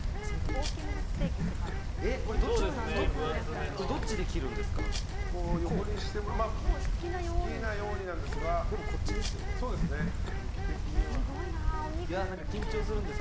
大きめのステーキって感じですね。